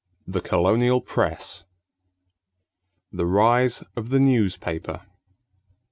THE COLONIAL PRESS =The Rise of the Newspaper.